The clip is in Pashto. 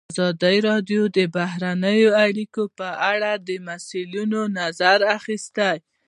ازادي راډیو د بهرنۍ اړیکې په اړه د مسؤلینو نظرونه اخیستي.